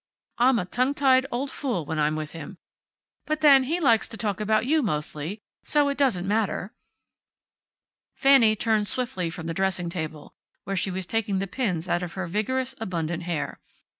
I'm a tongue tied old fool when I'm with him, but then, he likes to talk about you, mostly, so it doesn't matter." Fanny turned swiftly from the dressing table, where she was taking the pins out of her vigorous, abundant hair.